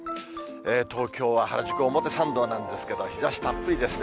東京は原宿表参道なんですけれども、日ざしたっぷりですね。